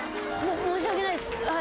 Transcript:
申し訳ないです。